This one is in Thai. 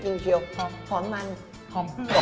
ถือกยิ้มเชียวหอมหอมเกือบ